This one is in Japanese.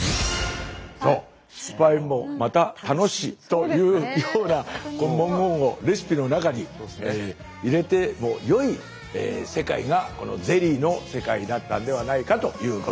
「失敗もまた楽し」というようなこの文言をレシピの中に入れてもよい世界がこのゼリーの世界だったんではないかということでございます。